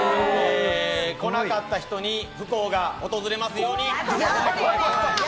来なかった人に不幸が訪れますように。